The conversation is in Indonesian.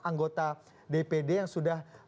anggota dpd yang sudah